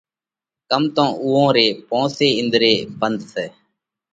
ڪم تو اُوئون ري پونس ئي انۮري ڀنڌ سئہ۔